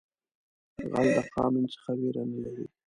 غل د قانون څخه ویره نه لري